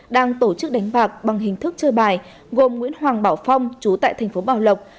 đang tổ chức đánh bạc bằng hình thức chơi bài gồm nguyễn hoàng bảo phong chú tại thành phố bảo lộc